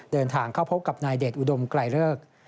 เดินทางเข้าพบกับนายเดชอุดมไกลเลิก